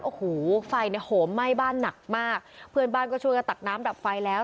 โอ้โหไฟเนี่ยโหมไหม้บ้านหนักมากเพื่อนบ้านก็ช่วยกันตักน้ำดับไฟแล้ว